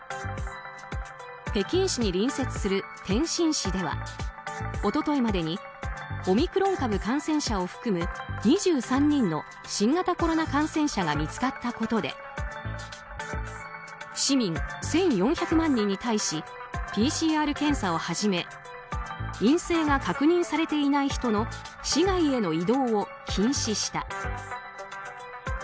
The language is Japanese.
北京市に隣接する天津市では一昨日までにオミクロン株感染者を含む２３人の新型コロナ感染者が見つかったことで市民１４００万人に対しＰＣＲ検査をはじめ陰性が確認されていない人の市外への移動を禁止した。